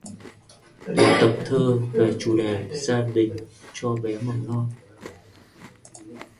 Tuyển tập thơ về chủ đề gia đình cho bé mầm non